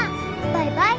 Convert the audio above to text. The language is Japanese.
バイバイ。